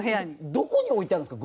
どこに置いてあるんですか？